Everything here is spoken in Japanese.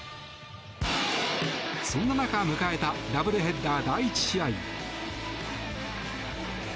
そんな中迎えたダブルヘッダー第１試合。